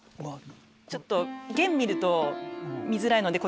ちょっと弦見ると見づらいのでこっちの。